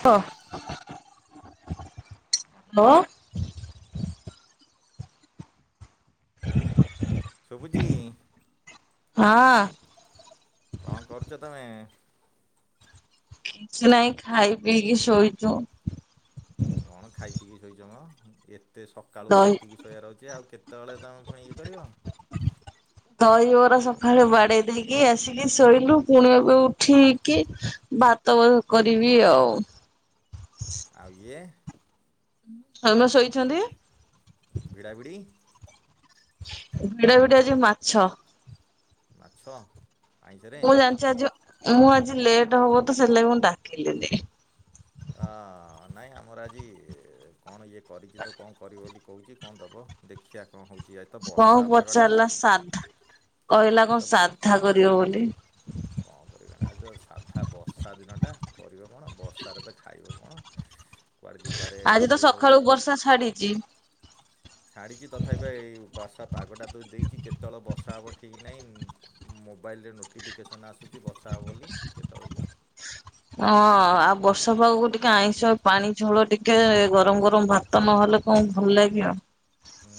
ହଁ ହଁ ଶୁଭୁଛି? ହଁ। କଣ କରୁଛ ତମେ? କିଛି ନାହିଁ ଖାଇ ପିଇକି ଶୋଇଛୁ। କଣ ଖାଇ ପିକି ଶୋଇଛ ମ ଏତେ ସକାଳୁ ଦହି ଖାଇ ପିକି ସୋ ଶଇଆ ରହୁଛି ଆଉ କେତେବେଳେ ତମେ ପୁଣି ଇଏ କରିବ। ଦହିବରା ସକାଳେ ବାଡେଇ ଦେଇକି ଆସିକି ଶୋଇଲୁ ପୁଣି ଏବେ ଉଠିକି ତବକୁ କରିବି ଆଉ। ଆଉ ଇଏ। ଧନ ଶୋଇଛନ୍ତି? ଭିଡ଼ା ଭିଡ଼ି। ଭିଡା ଭିଡ଼ି ଆଜି ମାଛ। ମାଛ? ଆଇଁଷରେ ମୁଁ ଜାଣିଛି ଆଜି ମୁଁ ଆଜି ଲେଟ୍ ହବ ତ ସେଥିଲାଗି ମୁଁ ଡାକିଲିନି। ଅ ନାଇଁ ଆମର ଆଜି କଣ ଇଏ କରିଛି ତ କଣ କରିବ ବୋଲି। କହୁଛି କଣ ଦବ ଦେଖିବା କଣ ହଉଛି। କଣ ପଚାରିଲା ସାଧା କହିଲା ତ କଣ ସାଧା କରିବ ବୋଲି। କଣ କରିବେ ନା ଆଉ ଯେ ସାଧା ବର୍ଷା ଦିନଟା କରିବ କଣ ବର୍ଷାରେ ତ ଖାଇବ କଣ? କୁଆଡ଼େ ଯିବାରେ ବି ଆଜି ତ ହଉନି। ସକାଳୁ ବର୍ଷା ଛାଡିଚି। ଛାଡ଼ିଛି ତଥାପି ଏଇ ବାର୍ଷା ପାଗଟା ତ ଦେଇଛି କେତେବେଳେ ବର୍ଷା ହେବ ଠିକ୍ ନାହିଁ। ମୋବାଇଲରେ ନୋଟିଫିକେସନ୍ ଆସୁଛି ବର୍ଷା ହେବ ବୋଲି କେତେବେଳେ ବି? ହଁ ଆଉ ବର୍ଷା ପାଗକୁ ଟିକେ ଆଇଁଷ ପାଣି ଝୋଳ। ଟିକେ ଗରମ ଗରମ ଭାତ ନହେଲେ କଣ ଭଲ ଲାଗିବ। ହୁଁ।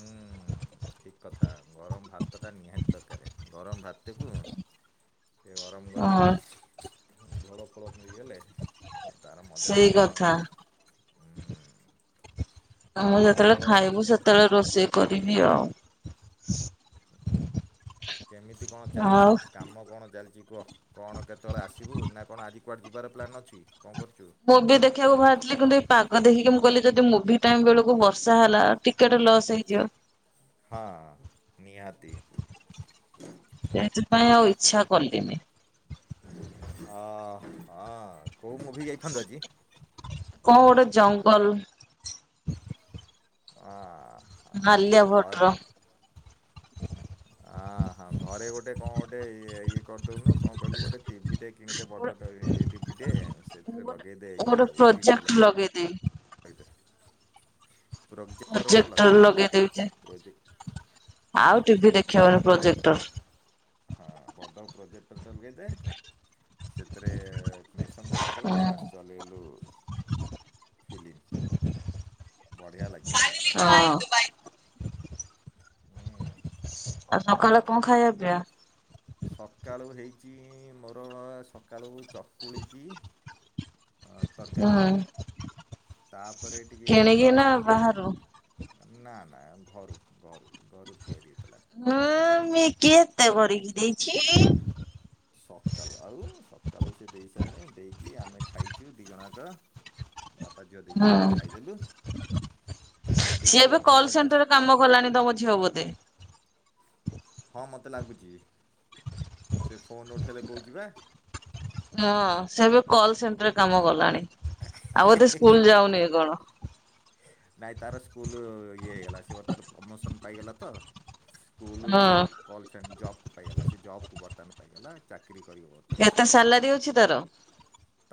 ଠିକ୍ କଥା ଗରମ ଭାତଟା ନିହାତି ଦରକାର ଗରମ ଭାତକୁ ଟିକେ ଗରମ ଗରମ ହଁ ଝେଳ ଫୋଳ ମିଳିଗଲେ। ତାର ମଜା ଅଲଗା ଆଉ। ଆଉ ଆମେ କଣ ଯେତେବେଳେ ଖବର ଖାଇବୁ କେମିତି କଣ ସେତେବେଳେ ରୋଷେଇ କରିବି ଆଉ। କେମିତି କଣ ଆଉ ଚାଲିଛି କାମ କଣ ଚାଲିଛି କୁହ? କଣ କେତେବେଳେ ଆସିବୁ ନା କଣ ଆଜି କୁଆଡ଼େ ଯିବାର ପ୍ଲାନ୍ ଅଛି କଣ କରୁଛୁ? ମୁଭି ଦେଖିବାକୁ ବାହାରିଥିଲି କିନ୍ତୁ ଏଇ ପାଗ ଦେଖିକି ମୁଁ କହିଲି ଯଦି ମୁଭି ଟାଇମ ବେଳକୁ ବର୍ଷା ହେଲା ଟିକେଟ ହୁଁ ଲସ୍ ହେଇଯିବ ହଁ ନିହାତି। ସେଥିପାଇଁ ଆଉ ଇଚ୍ଛା କଲିନି। ହଁ ହଁ କୋଉ ମୁଁଭି ଯାଇଥାନ୍ତୁ ଆଜି? କଣ ଗୋଟେ ଜଙ୍ଗଲ। ଆ ଆ। ଆଲିଆବଟର। ଅ ହଁ ଘରେ ଗୋଟେ କଣ ଗୋଟେ ଏ ଇଏ କରିଦଉନୁ କଣ କହିଲୁ ଗୋଟେ ଟିଭି ଟେ? କିଣୀଦେ ଗୋଟେ ବଡ ଟି ଭି ଟେ ସେଥିରେ ଲଗେଇଦେ ଇଏରେ ଓ ଟିଟି ରେ ଲଗେଇ ଦେଇ ପ୍ରୋଜେକ୍ଟ ଗୋଟେ ପ୍ରୋଜେକ୍ଟର ଲଗା ହଁ ଲଗେଇଦେବି ଯେ ପ୍ରଜେକଟର ଆଉ ଟିଭି ଦେଖେଇବନି ପ୍ରୋଜେକ୍ଟର ହଁ ବଡ଼ ପ୍ରୋଜେକ୍ଟର ଟେଲଗାଇ ଦେ ସେଥିରେ କନେକ୍ସନ୍ ହୁଁ କରିଦେବୁ ବାସ୍। ହଁ ଚଲେଇଲୁ ଫିଲ୍ମ ବଢ଼ିଆ ଲାଗିବ। ହଁ। ହୁଁ। ଆଉ ସକାଳେ କଣ ଖାଇବା ପି ଆ। ସକାଳୁ ହେଇଛି ମୋର ସକାଳୁ ଚକୁଳିକି ତରକାରୀ। ହୁଁ ତାପରେ ଟିକିଏ କିଣିକି ନା କଫି। ବାହାରୁ? ନା ନା ଘରୁ ଘରୁ ଘରୁ ତିଆରିହେଥିଲା। ହଁ ମୁଁ କେ ଏତେ କରିକି ଦେଇଛି। ସକାଳୁ ଆଉ ସକାଳୁ ସେ ଦେଇ ସାରଣି ଦେଇକି ଆମେ ଖାଇଛୁ ଦିଇ ଜଣକ ଯାକ। ବାପା ଝିଅ ଦୁଇ ହୁଁ। ଜଣକ ଖାଇଦେଲୁ। ସିଏ ଖାଇଦେଇକି ଏବେ ଉପରେ କଲ୍ ସେଣ୍ଟର ବସ କାମ କଲାଣି ତମ ଝିଅ ବୋଧେ। ହଁ ମୋତେ ଲାଗୁଛି ସେ ଫୋନ୍ ଉଠେଇଲେ କହୁଛି ବା ହଁ ସେବେ କଲ ସେଣ୍ଟର କାମ କଲାଣି ଆଉ ବୋଧେ ସ୍କୁଲ ଯାଉନି କଣ। ନାଇଁ ତାର ସ୍କୁଲ୍ ଇଏ ହେଇଗଲା ସେ ତାର ପ୍ରମୋସନ୍ ପାଇଗଲା ତ? ସ୍କୁଲରୁ ହଁ। କଲଚନ୍ ଯବକୁ ପାଇଗଲା ସେ ଯବକୁ ବର୍ତ୍ତମାନ ପାଇଗଲା ଚାକିରି କରିବ ବର୍ତ୍ତମାନ କେତେ ସେ ସାଲାରୀ ଅଛି ତାର?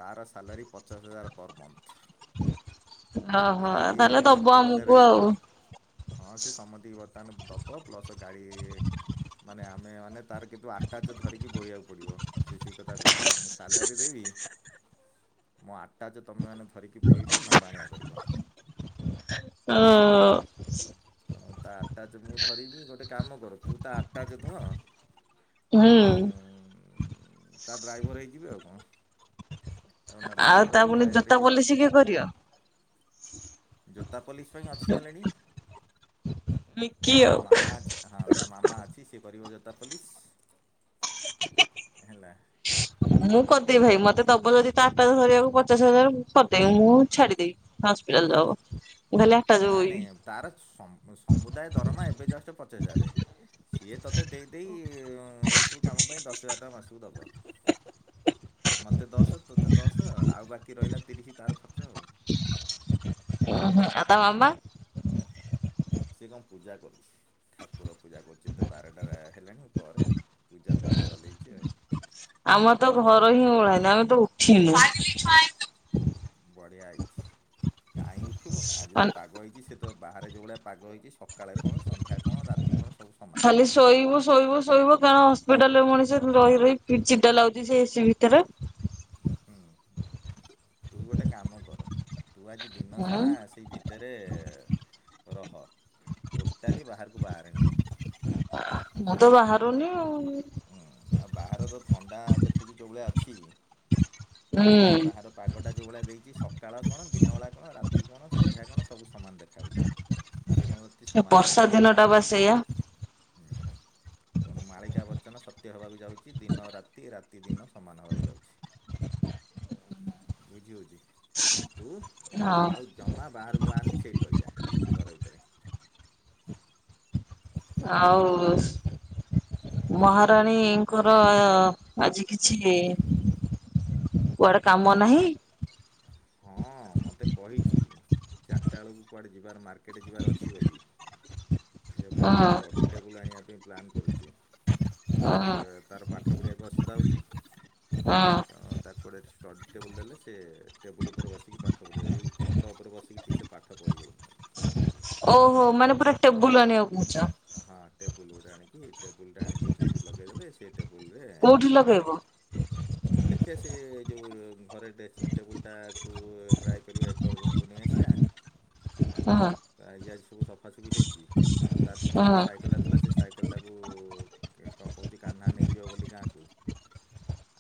ତାର ସାଲାରୀ ପଚାଶ ହଜାର ପର୍ ମନ୍ଥ୍। ଓହୋ ଖାଲି ତାହେଲେ ଦବ ଆମକୁ ଫୋନରେ କ ଆଉ। ହଁ ସେ ସମତି ବର୍ତ୍ତମାନ ଦବ ପ୍ଲସ ଗାଡି ମାନେ ଆମେ ମାନେ ତାର କିନ୍ତୁ ଆଠଟାଚ ଧରିକି ବୋହିବାକୁ ପଡ଼ିବ। ସେ ସେ କଥା କହୁଛି ମୁଁ ସାଲାରୀ ଦେବି। ମୋ ଆଟାଯ ତୁମେମାନେ ଧରିକି କୋହିବ ନବା ଆଣିଆ କରିବ। ହଁ। ତେଣୁ ତା ଆଠଟା ମୁଁ ଧରିବି ଗୋଟେ କାମ କର ତୁ ତା ଆଠଟାଯ ଧ ହୁଁ ମୁଁ ତା ଡ୍ରାଇଭର ହେଇଯିବି ଆଉ କଣ? ତାକୁ ନେବାଆଣିବା କରିବି ଡ୍ରାଇଭର ହେକି ସିଏ କିଏ କରିିବ। ଜୋତା ପୋଲିସ ପାଇଁ ଅଛି ଅଲରେଡି ମିକି ତା ଆଉ। ମାମା ଅଛି ହଁ। ତା ମାମା ଅଛି ସେକରିବ ଯୋତା ପୋଲିସ ହେଲା। ମୁଁ କରିଦବି ଭାଇ ମତେ ଦବ ଯଦି ତା ଆଟାଜ ଧରିବାକୁ ପଚାଶ ହଜାର କରିଦେବି ମୁଁ ଛାଡିଦବି ହସ୍ପିଟାଲ ଯବ ଖାଲି ଆଟାଯ ନାଈ ନାଈ ତାର ସ ସମୁଦାୟ ଦରମା ଏବେ ଜଷ୍ଟ ପଚିଶ ହଜାର। ସିଏ ତୋତେ ଦେଇଦେଇ ଏଇସବୁ କାମ ପାଇଁ ଦଶ ହଜାର ଟଙ୍କା ମାସକୁ ଦେବ। ମୋତେ ଦଶ ତୋତେ ଦଶ ଆଉ ବାକି ରହିଲା ତିରିଶ ତାର ଖର୍ଚ୍ଚ ଆଉ। ହଁ ଆ ତା ମାମା? ସିଏ କଣ ପୂଜା କରୁଚି। ଠାକୁର ପୂଜା କରୁଚି ଏତେ ବାରଟାରେ ହେଲାଣି ପରେ ପୂଜା ତାର ଚଲେଇଚି ଆଉ। ଆମ ତ ଘର ହିଁ ଓଳାଇନି ଆମେ ତ ଉଠିନୁ। ବଢିଆ ହେଇଚି କାଇଁ ଉଠିବୁ ଆଜି ତ ମାନେ ପାଗ ହେଇଚି ସେ ତ ବାହାରେ ଯେଉଁଭଳିଆ ପାଗ ହେଇଛି ସକାଳେ କଣ ସନ୍ଧ୍ୟା କଣ ରାତି କଣ ସବୁ ସମାନେ। ଖାଲି ଶୋଇବୁ ଶୋଇବୁ ଶୋଇବୁ କାରଣ ହସ୍ପିଟାଲ ରେ ମଣିଷ ରହି ରହି ଚିଟା ଲାଗୁଚି ସେ ଏସିି ଭିତରେ। ହୁଁ ତୁ ଗୋଟେ କାମ କର ତୁ ଆଜି ଦିନ ହୁଁ ସାରା ସେଇ ଭିତ ଭତରେ ରହ ଟୋଟାଲି ବାହାରକୁ ବାହାରେନି। ମୁ ତ ବାହାରୁନି ଆଉ। ଆଉ ବାହାର ତ ଥଣ୍ଡା ଦେଖୁଚୁ ଯେଉଁବେଳିଆ ଅଛି ହୁଁ। ବାହାର ପାଗଟା ଯେଉଁ ଭଳିଆ ଦେଇଛି ସକାଳ କଣ ଦିନବେଳା କଣ ରାତି କଣ ସନ୍ଧ୍ୟା କଣ ସବୁ ସମାନ ଦେଖାହେଉଚି। ଦିନ ବର୍ଷା ଦିନ ଟା ବା ସେଇଆ। ତେଣୁ ମାଳିକା ବଚନ ସତ୍ୟ ହେବାକୁ ଯାଉଚି ଦିନ ରାତି ରାତିଦିନ ସମାନ ହେବାକୁ ଯାଉଚି। ବୁଝିହଉଚି। ତେଣୁ ତୁ ହଁ। ଆଉ ଜମା ବାହାରକୁ ବାହାରନି ସେଇଠି ରହିଯା ଘର ଭିତରେ। ଆଉ ମହାରାଣୀଙ୍କର ଆଜି କିଛି କୁଆଡେ କାମ ଆ ନାହିଁ? ହଁ ମତେ କହିଚି। ଚାରିଟା ବେଳକୁ କୁଆଡ଼େ ଯିବାର ମାର୍କେଟ ଯିବାର ଅଛି ବୋଲି। [unintelligible] ଝିଅ ପାଇଁ ଗୋଟେ ହଁ। ଷ୍ଟଡି ଟେବ ବୁଲ ଆଣିବା ପାଇଁ ପ୍ଲାନ୍ କରୁଚୁ ହଁ ସେ ତାର ପାଠ ପଢ଼ିବାକୁ ଅସୁବିଧା ହେଉଚି। ହଁ। ହଁ ତାକୁ ଗୋଟେ ଷ୍ଟଡ଼ି ଟେବୁଲ୍ ଦେଲେ ସେ ଟେବୁଲ୍ ଉପରେ ବସିକି ପାଠ ପଢ଼ିବ ଏଇ ଖଟ ଉପରେ ବସିକି ଠିକ ସେ ପାଠ ପଢ଼ି ହେଉନି। ଆଜ୍ଞା। ଓହୋ ମାନେ ପୁରା ଟେବୁଲ ଆଣିବାକୁ କହୁଚ। ହଁ ଟେବୁଲ ଗୋଟେ ଆଣିକି ଟେବୁଲ ଟା ଆଣିକି ସେଇଠି ଲଗେଇଦେଲେ କେ ଟେବୁଲରେ କୋଉଠି ଲଗେଇବ ଦେଖିବା ସେ ଯେଉଁ ଘରେ ଡ୍ରେସିଂ ଟେବୁଲଟାକୁ ଟ୍ରାଏ କରିବା ଏକର ରୁମ କୁ ନେଇ ଆସିବା। ହଁ। [unintelligible] ସବୁ ସଫାସଫି ହେଇଚି ଆଉ ତାର ଯେଉ ହଁ ଛୋଟ ସାଇକେଲଟାଥିଲା ସେ ସାଇକେ କେଲଟାକୁ କଣ କହୁଚି କାହ୍ନା ନେଇଯିବ ବୋଲି ଗାଁ କୁ।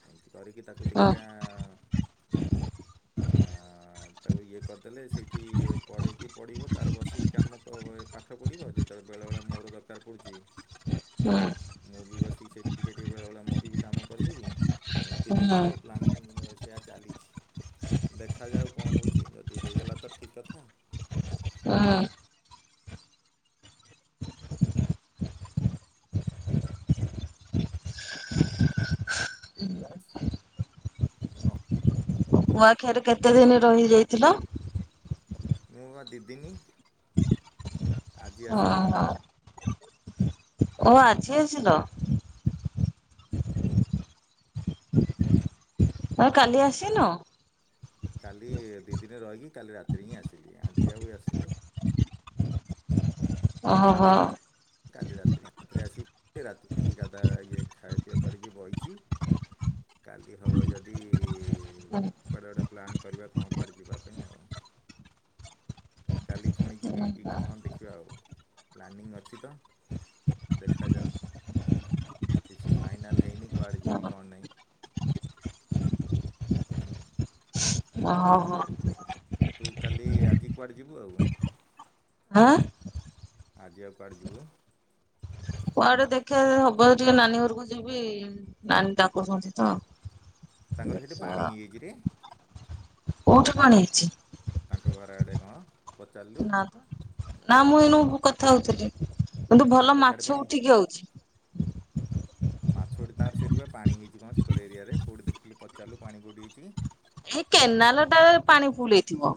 ଏମିତି କରିକି ତାକୁ ହଁ ଦେଖିଆ [unintelligible] ତାକୁ ଇଏ କରିଦେଲେ ସେଇଠି ପଢ଼େଇକି ପଢଡ଼ିବ ତାର ବସିକି କାମ ପାଠ ପଢ଼ିବ। ଯେତ ତାେ ବେଳେ ବେଳେ ମୋର ଦରକାର ପଡୁଚି ହଁ। ମୁଁ ବି ବସିକି ସେଇଠି ଟିକିେ ଟିକେ ବେଳେବେଳେ ମୋ ବି କାମ କରିଦେମି। ଏମିତି ହୁଁ। ହେଇଯିବ ପ୍ଲାନିଙ୍ଗ [unintelligible] ଏଆ ଚାଲିଚି ଦେଖାଯାଉ କଣ ହେଉଚି ଯଦି ହେଇଗଲା ତ ଠିକ୍ କଥା। ହଁ। [unintelligible] କୂଆଖିଆରେ କେତେ ଦିନି ରହିଯାଇଥିଲ? ମୁଁ ବା ଦି ଦିନି ଆଜି ହଁ ଆସିଲି। ହଁ ଓ ଆଜି ଆଛିଲ? ଏ କାଲି ଆସିନ? କାଲି ଏ ଦି ଦିନି ରହିକି କାଲି ରାତିରେ ହିଁ ଆସିଲି, ଆଜି ଆଉ ଆସିନି। ଓଅ ହୋ। କାଲି ରାତିରେ ରାତିରେ ଆସିକି ରାତି ଉଠିକି ଗାଧା ଇଏ ଖାଇ ପିଇଆ କରିକି ବଇଚି। କାଲି ହବ ଯଦିଇ କୁଆଡ଼େ ଗୋଟେ ପ୍ଲାନ୍ କରିବା କଣ କୁଆଡ଼େ ଯିବା ପାଇଁ ଆଉ। କାଲି ଫୁଣି ଯିବି କି କଣ ଦେଖିବା ଆଉ। ପ୍ଲାନିଂ ଅଛି ତ। ଦେଖାଯାଉ କିଛି ଫାଇନାଲ ହେଇନି କୁଆଡ଼େ ଯିବି କଣ ନାହିଁ। ଅହ ହ। ତୁ କାଲି ଆଜି କୁଆଡ଼େ ଯିବୁ ଆଉ? ହାଁ। ଆଜିି ଆଉ କୁଆଡେ ଯିବୁ? କୁଆଡେ ଦେଖିବା ଯ ହବ ଯଦି ଟିକେ ନାନୀ ଘରକୁ ଯିବି। ନାନୀ ତାକୁଛନ୍ତି ତ। ତାଙ୍କର ହେଟି ଦେଖିବା ପାଣି ହେଇ ଯାଇଚିରେ। କୋଉଠି ପାଣି ହେଇଚି? ତାଙ୍କ ଘର ଆଡ଼େ କଣ ପଚାରିଲୁ। ନା ନା ମୁଁ ଏଣୁ କଥା ହଉଥିଲି। କିନ୍ତୁ ତାଙ୍କ ଭଲ ସିଆଡ଼େ ମାଛ ପାଣି ଉଠିକି ଅଉଛି। ମାଛ ଗୋଟେ ତାର ସେଇଟୁ ପା ପାଣି ହେଇଚି କଣ ସେକର ଏରିଆରେ। କଉଟୁ ଦେଖିଲୁ ପଚାରିଲୁ ପାଣି କଉଟି ହେଇଚି। ଏଇ କେନାଲ ଟାରେ ପାଣି ଫୁଲ ହେଇଥିବ।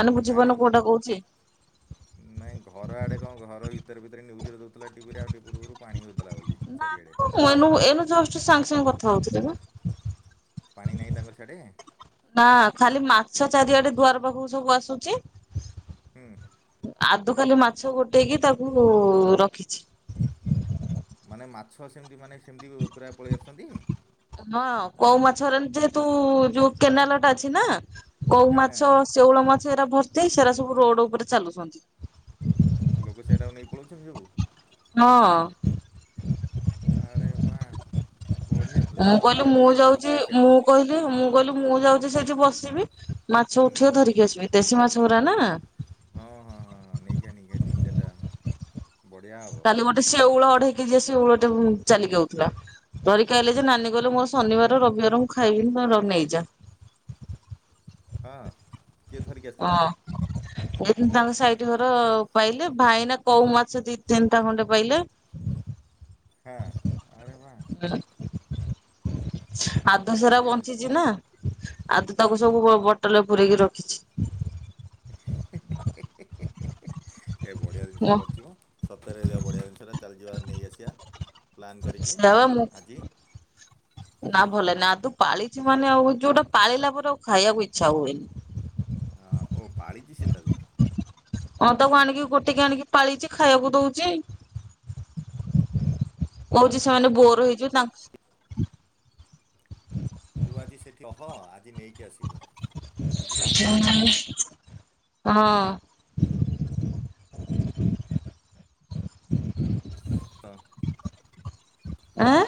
ମାନେ ବୁଝୀପରୁନ କୋଉଟା କହୁଚି। ନାହିଁ ଘର ଆଡ଼େ କଣ ଘର ଭିତରେ-ଭିତରେ ନ୍ୟୁଜରେ ଦେଉଥିଲା ଟିଭିରେ ଆଉ ଟିକେ ପୂର୍ବରୁ ପାଣି ହେଉଥିଲା ବୋଲି ଚାରିଆଡ଼େ। ମନୁ ଏଇନୁ ଜଷ୍ଟ ସାଙ୍ଗେ, ସାଙ୍ଗେ କଥା ହଉଥିଲି ନା। ପାଣି ନାହିଁ ତାଙ୍କର ସିଆଡେ? ନା ଖାଲି ମାଛ ଚାରିଆଡେ ଦୁଆାର ପାଖକୁ ସବୁ ଆସୁଚି। ହୁଁ। ଆଦୁ ଖାଲୁ ମାଛ ଗୋଟେଇକି ତାକୁ ରଖିଛି। ମାନେ ମାଛ ସେମିତି ମାନେ ସେମିତି ଉ ପୁରା ପଳେଇ ଆସୁଚନ୍ତି। ହଁ କଉ ମାଛରେନ ଯେହେତୁ ଯୋଉ କେନାଲ ଟା ଅଛି ନା। କଉ ହେଁ ମାଛ ସେଉଳ ମାଛ ଏରା ଭର୍ତ୍ତି ସେରା ସବୁ ରୋଡ ଉପରେ ଚାଲୁଛନ୍ତି। ଲୋଗୁ ସେଇଟାକୁ ନେଇ ପଳଉଛନ୍ତି ସବୁ? ହଁ। ଆରେ ବା ବଢ଼ିଆ ତ ମୁଁ ଚାଲନି କହିଲି ଯିବା ମୁଁ ଟିକେ ଧରି ଯାଉଛି ପଳେଇ ଆସିବା। ମୁଁ କହିଲି ମୁଁ କହିଲି ମୁଁ ଯାଉଚି ସେଇଠି ବସିବି। ମାଛ ହୁଁ ଉଠିବ ଧରିକି ଆସିବି। ଦେଶୀ ମାଛ ଉରା ନା। ହଁ-ହଁ-ହଁ-ହଁ ନେଇକିଆ ନେଇକିଆ ଦି ଚାରଟା। କାଲି ଗୋଟେ ସେଉଳ ଅଢେଇ କେଜିଆ ସେଉଳ ଟେ ବୁମ ଚାଲିିକି ଆଉଥିଲା। ଧରିକି ଆଇଲେ ଯେ ନାନୀ କହିଲେ ମୋର ଶନିବାର ରବିବାର ମୁଁ ଖାଇବିନି ତମର ନେଇଯା। ହଁ। କିଏ ଧରିକି କ ଆସିଥିଲା ଅଁ। ଏଇଟିନ ତାଙ୍କ ସାଇଟି ଘର ପାଇଲେ ଭାଇନା କୋଉ ମାଛ ଦି ତିନିଟା ଖଣ୍ଡେ ପାଇଲେ। ଖା ଖାରେ ବା। [unintelligible] ବଞ୍ଚିଚି ବଢ଼ିଆ ଜିନିଷ ନା। ଆଉ ତୁ ତାକୁ ସବୁ ବୋ -ବୋଟଲ ରେ ପୁରେଇକି ରଖିଚି। ହିଁ-ହିଁ-ହିଁ-ହିଁ-ହିଁ-ହିଁ-ହିଁ। ଏ ବଢ଼ିଆ ଜିନିଷ କରିଚି ମ ସତରେ ଯା ବଢ଼ିଆ ଜିନିଷଟା ଚାଲିଯିବା ନେଇ ଆସିଆ। ପ୍ଲାନ୍ କରିକି ସେ ବା ମୁଁ ଆଜି ନା ଭଲଲାଗେନି ନା ତୁ ପାଳିଚୁ ମାନେ ଆଉ ଯଉଟା ପାଳିଲା ପରେ ଆଉ ଖାଇବାକୁ ଇଚ୍ଛା ହୁଏନି। ହଁ ଓ ପାଳିଚି ସେ ତାକୁ। ହଁ ତାକୁ ଆଣିକି ଗୋଟେଇକି ଆଣିକି ପାଳିଚି ଖାଇଆକୁ ଦଉଚି। କହୁଚି ସେମାନେ ବୋର୍ ହେଇଯିବେ ତାଙ୍କ୍ ତୁ ଆଜି ସେଠି ଅହ ଆଜି ନେଇକି ଆସିବୁ ବୁଝିପାରିଲୁ [unintelligible] ହଁ। ହ। ଆଁ।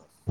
ଦଶ୍।